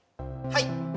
はい。